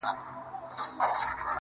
• زما په ژوند کي د وختونو د بلا ياري ده.